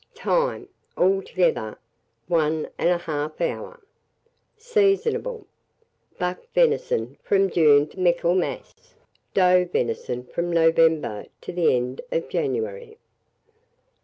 Time. Altogether, 1 1/2 hour. Seasonable. Buck venison, from June to Michaelmas; doe venison, from November to the end of January.